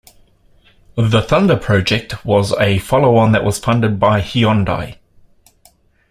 The "Thunder" project was a follow-on that was funded by Hyundai.